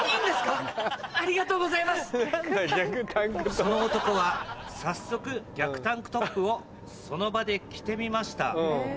「その男は早速逆タンクトップをその場で着てみました。